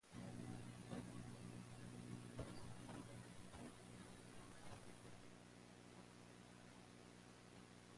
He lent his name to the Arthur Treacher's Fish and Chips chain of restaurants.